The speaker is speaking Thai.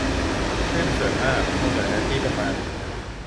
ตื้นเขินมากคงเหลือเนื้อที่ประมาณ